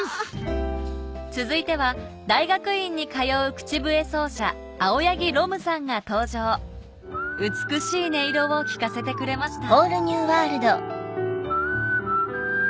続いては大学院に通う口笛奏者青柳呂武さんが登場美しい音色を聴かせてくれました